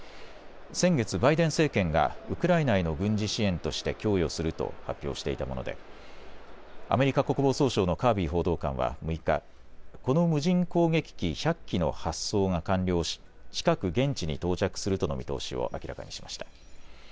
先月、バイデン政権がウクライナへの軍事支援として供与すると発表していたものでアメリカ国防総省のカービー報道官は６日、この無人攻撃機１００機の発送が完了し近く現地に到着するとの見通しを明らかにしました。